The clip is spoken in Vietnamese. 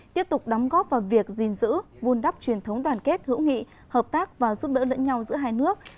tiếp tục đóng góp vào việc gìn giữ vun đắp truyền thống đoàn kết hữu nghị hợp tác và giúp đỡ lẫn nhau giữa hai nước